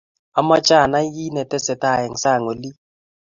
Omoche anai kiye tesetai eng sang olin